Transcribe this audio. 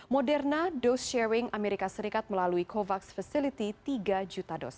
moderna dose sharing amerika serikat melalui covax facility tiga juta dosis